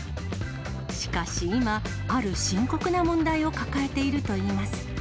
しかし、今、ある深刻な問題を抱えているといいます。